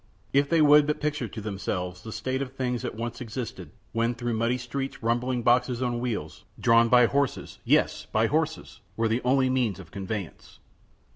If they would but picture to themselves the state of things that once existed, when through muddy streets rumbling boxes on wheels, drawn by horses yes, by horses! were the only means of conveyance.